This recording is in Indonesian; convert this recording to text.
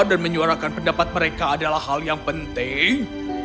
dan menyuarakan pendapat mereka adalah hal yang penting